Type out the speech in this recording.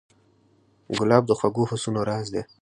ګلاب د خوږو حسونو راز دی.